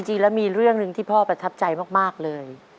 จริงแล้วมีเรื่องหนึ่งที่พ่อประทับใจมากเลย